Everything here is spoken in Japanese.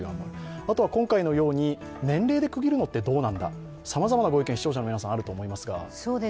あとは今回のように年齢で区切るのってどうなんだ様々なご意見、視聴者の方はあると思いますが。